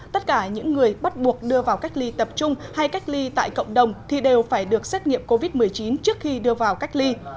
tất cả những người bắt buộc đưa vào cách ly tập trung hay cách ly tại cộng đồng thì đều phải được xét nghiệm covid một mươi chín trước khi đưa vào cách ly